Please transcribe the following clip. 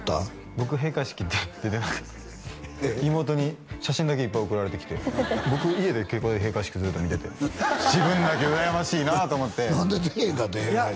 僕閉会式出れなかった妹に写真だけいっぱい送られてきて僕家で閉会式ずっと見てて自分だけうらやましいなあと何で出れへんかってん？